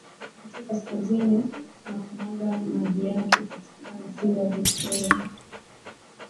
kupitia Kaskazini na kumwaga majiyake katika ziwa Victoria